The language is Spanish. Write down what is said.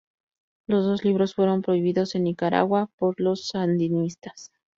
Los dos libros fueron prohibidos en Nicaragua por los sandinistas.